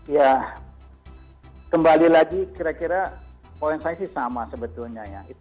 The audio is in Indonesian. ya kembali lagi kira kira poin saya sih sama sebetulnya ya